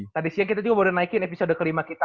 tadi siang kita juga baru naikin episode kelima kita